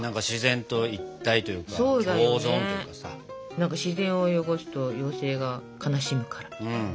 何か「自然を汚すと妖精が悲しむから」